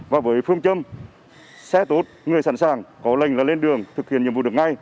và với phương châm xe tốt người sẵn sàng có lệnh là lên đường thực hiện nhiệm vụ được ngay